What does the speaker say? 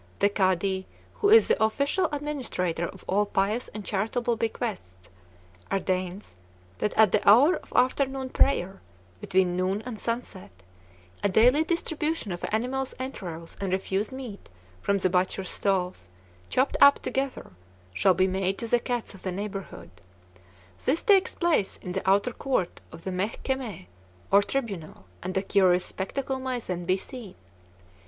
The Kadi, who is the official administrator of all pious and charitable bequests, ordains that at the hour of afternoon prayer, between noon and sunset, a daily distribution of animals' entrails and refuse meat from the butchers' stalls, chopped up together, shall be made to the cats of the neighborhood. This takes place in the outer court of the 'Mehkemeh,' or tribunal, and a curious spectacle may then be seen.